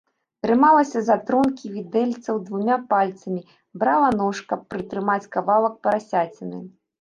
Трымалася за тронкі відэльцаў двума пальцамі, брала нож, каб прытрымаць кавалак парасяціны.